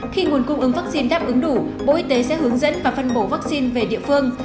khi nguồn cung ứng vaccine đáp ứng đủ bộ y tế sẽ hướng dẫn và phân bổ vaccine về địa phương